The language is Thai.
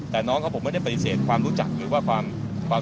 แต่น้องเขาผมไม่ได้ปฏิเสธความรู้จักหรือว่าความ